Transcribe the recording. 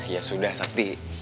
ya sudah sakti